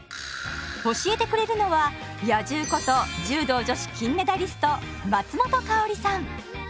教えてくれるのは「野獣」こと柔道女子金メダリスト松本薫さん。